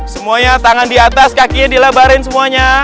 semuanya tangan di atas kakinya dilebarin semuanya